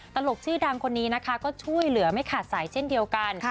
ตลกชื่อดังคนนี้นะคะก็ช่วยเหลือไม่ขาดสายเช่นเดียวกัน